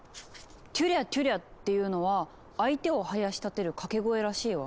「テュリャテュリャ」っていうのは相手をはやしたてる掛け声らしいわ。